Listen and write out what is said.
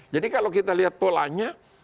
jadi kalau kita lihat polanya